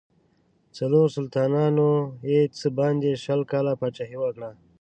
څلورو سلطانانو یې څه باندې شل کاله پاچهي وکړه.